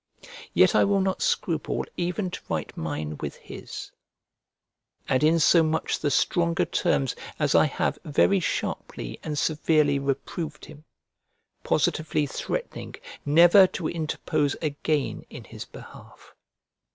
Yet I will not scruple even to write mine with his; and in so much the stronger terms as I have very sharply and severely reproved him, positively threatening never to interpose again in his behalf.